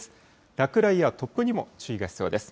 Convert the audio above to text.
落雷や突風にも注意が必要です。